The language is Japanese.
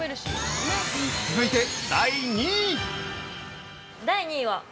◆続いて第２位！